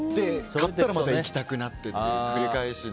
買ったらまた行きたくなってと繰り返しで。